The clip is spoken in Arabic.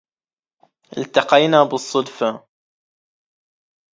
التقينا بالصدفة.